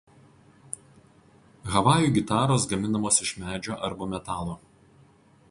Havajų gitaros gaminamos iš medžio arba metalo.